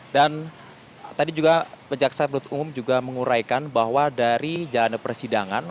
dan tadi juga jaksa perut umum menguraikan bahwa dari jalannya persidangan